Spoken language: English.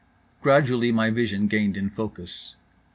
Gradually my vision gained in focus.